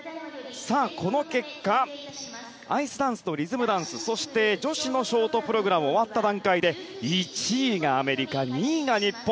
この結果アイスダンスとリズムダンスそして女子のショートプログラム終わった段階で１位がアメリカ、２位が日本。